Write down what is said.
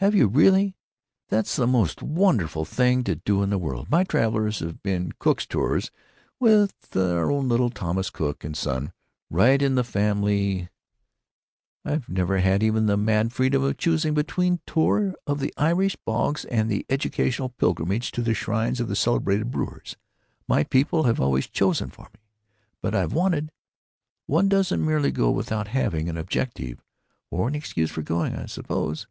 "Have you really? That's the most wonderful thing to do in the world. My travels have been Cook's tours, with our own little Thomas Cook and Son right in the family—I've never even had the mad freedom of choosing between a tour of the Irish bogs and an educational pilgrimage to the shrines of celebrated brewers. My people have always chosen for me. But I've wanted——One doesn't merely go without having an objective, or an excuse for going, I suppose."